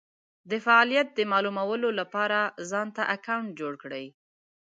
دفعالیت د مالومولو دپاره ځانته اکونټ جوړ کړی